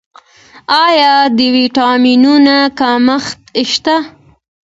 آیا د ویټامینونو کمښت شته؟